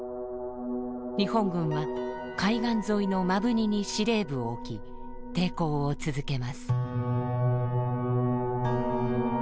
日本軍は海岸沿いの摩文仁に司令部を置き抵抗を続けます。